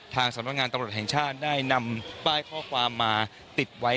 ทางสำนักงานตำรวจแห่งชาติได้นำป้ายข้อความมาติดไว้